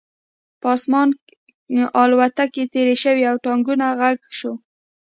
په آسمان الوتکې تېرې شوې او د ټانکونو غږ شو